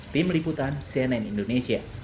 tim liputan cnn indonesia